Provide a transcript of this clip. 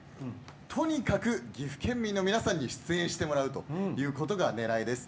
とにかく岐阜県民の皆さんに出演してもらうということがねらいです。